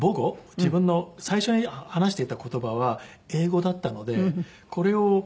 自分の最初に話していた言葉は英語だったのでこれを。